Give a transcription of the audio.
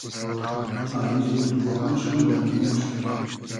تاییز و دووا موشوم ، دئرمۉ موشوم